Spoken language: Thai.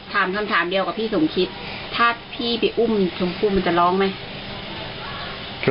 คำถามเดียวกับพี่สมคิดถ้าพี่ไปอุ้มชมพู่มันจะร้องไหม